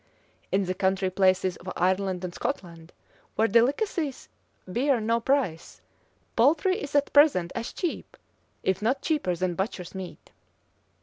In the country places of Ireland and Scotland, where delicacies bear no price, poultry is at present as cheap, if not cheaper than butcher's meat.